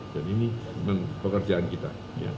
dan ini memang pekerjaan kita